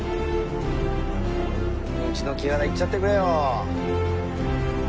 うちのキハダいっちゃってくれよ。